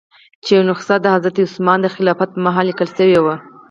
چې یوه نسخه د حضرت عثمان د خلافت په مهال لیکل شوې وه.